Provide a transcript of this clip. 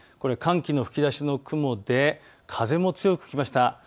寒気の吹き出しの雲で風も強く吹きました。